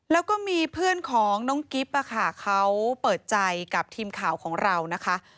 แล้วก็มีเพื่อนของน้องกิ๊บเขาเปิดใจกับทีมข่าวของเรานะคะ